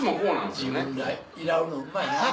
自分らいらうのうまいなぁ。